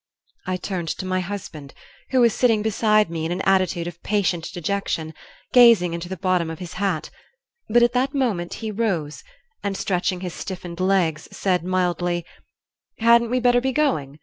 "I turned to my husband, who was sitting beside me in an attitude of patient dejection, gazing into the bottom of his hat; but at that moment he rose, and stretching his stiffened legs, said, mildly: 'Hadn't we better be going?